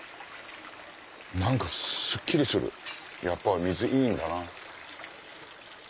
何かスッキリするやっぱり水いいんだな。